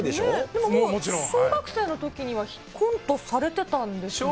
もう小学生のときにはコントされてたんですね。